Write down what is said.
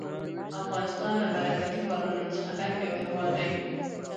افغانستان له برکتي بارانونو څخه ډک یو هېواد دی.